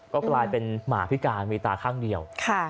ก็กลายเป็นหมาพิการมีตาข้างเดียว